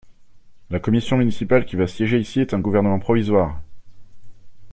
La Commission municipale qui va siéger ici est un gouvernement provisoire!